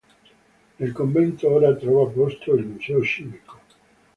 Nel convento ora trova posto il Museo Civico.